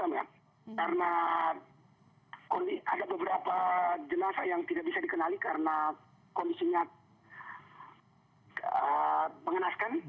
karena ada beberapa jenazah yang tidak bisa dikenali karena kondisinya mengenaskan